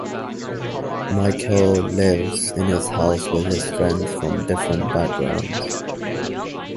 Michele lives in his house with his friends from different backgrounds.